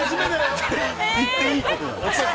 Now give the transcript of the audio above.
◆言っていいことなの？